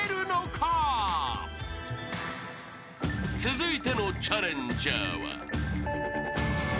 ［続いてのチャレンジャーは］